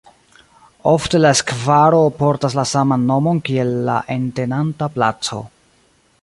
Ofte la skvaro portas la saman nomon kiel la entenanta placo.